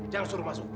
jangan suruh masuk